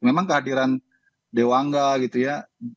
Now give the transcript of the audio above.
memang kehadiran dewa angga gitu ya